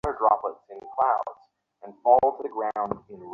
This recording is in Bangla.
আমি আপনার ফাইল দেখেছি।